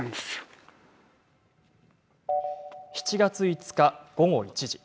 ７月５日、午後１時。